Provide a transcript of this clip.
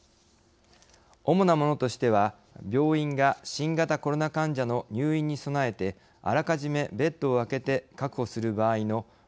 主なものとしては病院が新型コロナ患者の入院に備えてあらかじめベッドを空けて確保する場合の病床確保料です。